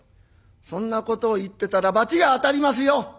そんなことを言ってたら罰が当たりますよ。